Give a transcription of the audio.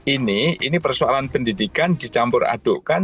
ini persoalan pendidikan dicampur adukkan